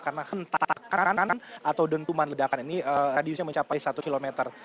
karena hentakan atau dentuman ledakan ini radiusnya mencapai satu kilometer